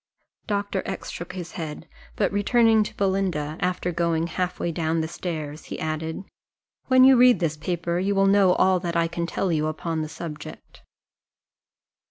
Doctor X shook his head; but returning to Belinda, after going half way down stairs, he added, "when you read this paper, you will know all that I can tell you upon the subject."